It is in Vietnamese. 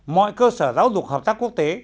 mọi cơ sở giáo dục hợp tác quốc tế